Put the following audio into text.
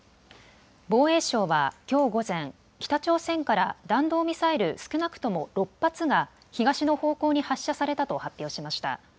防衛省はきょう午前、北朝鮮から弾道ミサイル少なくとも６発が東の方向に発射されたと発表しました。